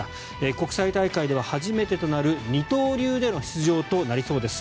国際大会としては初めてとなる二刀流での出場となりそうです。